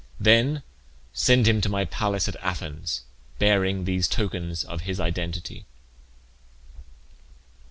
Then send him to my palace at Athens bearing these tokens of his identity."